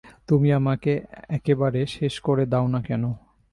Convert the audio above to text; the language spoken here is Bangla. তুমি আমাকে একেবারে শেষ করে দাও না কেন?